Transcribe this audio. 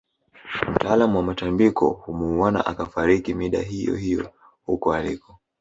Mtaalamu wa matambiko humuuwana akafariki mida hiyohiyo huko aliko